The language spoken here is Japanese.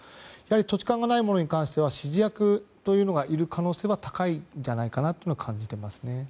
土地勘がないものに関しては指示役がいる可能性は高いんじゃないかと感じていますね。